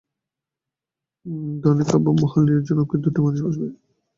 ডনের কাব্যমহল নির্জন, ওখানে দুটি মানুষ পাশাপাশি বসবার জায়গাটুকু আছে।